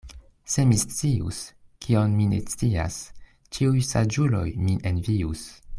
Se mi scius, kion mi ne scias, ĉiuj saĝuloj min envius.